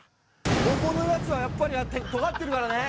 本物のやつはやっぱりとがってるからね。